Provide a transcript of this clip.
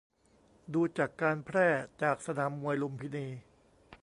ดูจากการแพร่จากสนามมวยลุมพินี